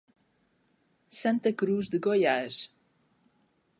Santa Cruz de Goiás